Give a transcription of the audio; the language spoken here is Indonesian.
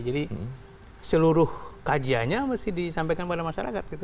jadi seluruh kajiannya mesti disampaikan pada masyarakat gitu